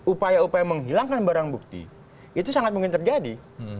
upaya upaya menghilangkan barang bukti itu sangat mungkin terjadi